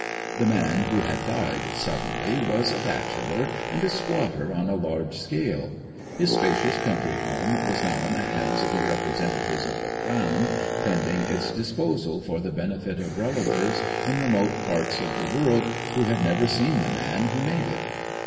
The man who had died, suddenly, was a bachelor, and a squatter on a large scale. His spacious country home was now in the hands of the representatives of the Crown, pending its disposal for the benefit of relatives in remote parts of the world who had never seen the man who made it.